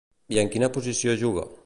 I en quina posició juga?